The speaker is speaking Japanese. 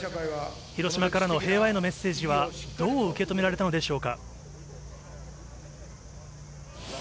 広島からの平和へのメッセージはどう受け止められたのでしょうか。